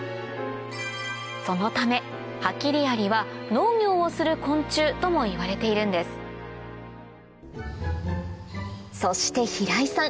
そのためハキリアリはともいわれているんですそして平井さん